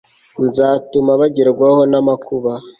nzatuma bagerwaho n amakuba